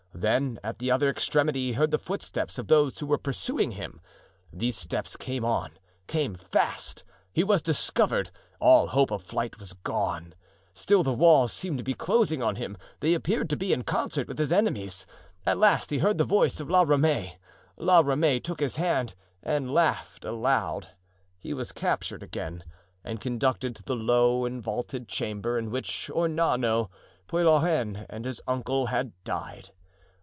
Then at the other extremity he heard the footsteps of those who were pursuing him. These steps came on, came fast. He was discovered; all hope of flight was gone. Still the walls seemed to be closing on him; they appeared to be in concert with his enemies. At last he heard the voice of La Ramee. La Ramee took his hand and laughed aloud. He was captured again, and conducted to the low and vaulted chamber, in which Ornano, Puylaurens, and his uncle had died.